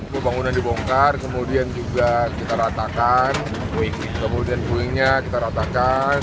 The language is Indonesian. pembangunan dibongkar kemudian juga kita ratakan kemudian puingnya kita ratakan